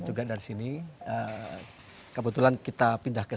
jadi ini adalah pada dasarnya